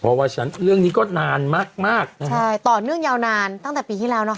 เพราะว่าฉันเรื่องนี้ก็นานมากมากนะฮะใช่ต่อเนื่องยาวนานตั้งแต่ปีที่แล้วนะคะ